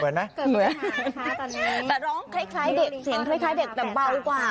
แต่ร้องคล้ายเด็กเสียงคล้ายเด็กแต่เบากว่า